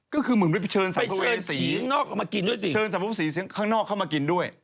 ก็คือเหมือนไปเชิญสัมภัยสีเชิญสัมภัยสีข้างนอกเข้ามากินด้วย